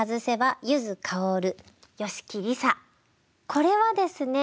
これはですね